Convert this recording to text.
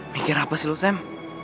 mikir apa sih lo sam